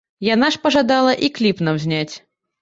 Яна ж пажадала і кліп нам зняць.